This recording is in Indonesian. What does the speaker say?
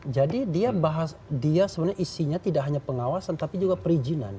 jadi dia bahas dia sebenarnya isinya tidak hanya pengawasan tapi juga perizinan